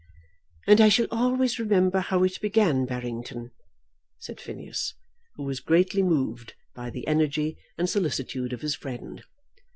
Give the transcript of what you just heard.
"And I shall always remember how it began, Barrington," said Phineas, who was greatly moved by the energy and solicitude of his friend.